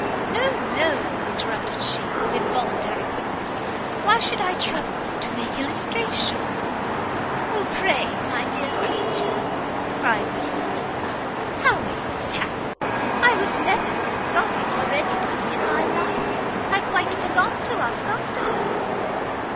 "No, no," interrupted she, with involuntary quickness, "why should I trouble you to make illustrations?" "O pray, my dear creature," cried Miss Larolles, "how is Mrs Harrel? I was never so sorry for any body in my life. I quite forgot to ask after her."